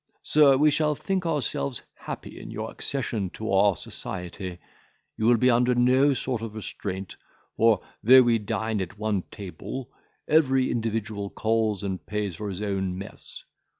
"Sir, we shall think ourselves happy in your accession to our society. You will be under no sort of restraint; for, though we dine at one table, every individual calls and pays for his own mess.